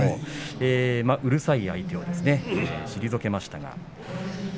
うるさい相手を退けました。